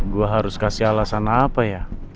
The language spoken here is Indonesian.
gue harus kasih alasan apa ya